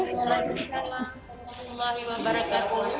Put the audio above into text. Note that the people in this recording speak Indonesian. selamat siang assalamualaikum wr wb